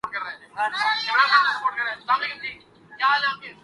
Release نہیں ہوسکی ہیں۔